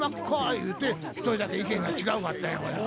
言うて一人だけ意見が違うかったんやこれが。